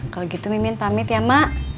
kalau gitu mimin pamit ya mak